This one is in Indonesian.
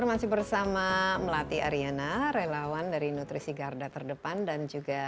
kasih lebih tengan